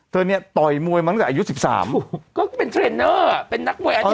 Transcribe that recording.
เนี่ยต่อยมวยมาตั้งแต่อายุ๑๓ก็เป็นเทรนเนอร์เป็นนักมวยอาชีพ